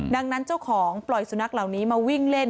ดังนั้นเจ้าของปล่อยสุนัขเหล่านี้มาวิ่งเล่น